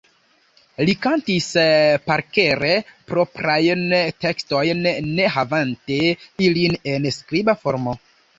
Li kantis parkere proprajn tekstojn, ne havante ilin en skriba formo.